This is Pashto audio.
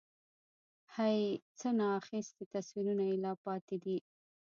هَی؛ څه نا اخیستي تصویرونه یې لا پاتې دي